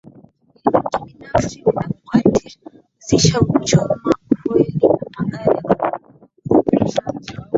kibinafsi vinahusisha kuchoma fueli na magari ya kusambaza na usafirishaji